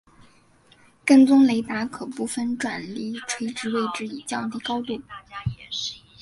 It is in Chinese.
跟踪雷达可部分转离垂直位置以降低高度。